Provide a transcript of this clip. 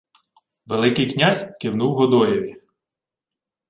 Великий князь кивнув Годоєві: